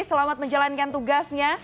selamat menjalankan tugasnya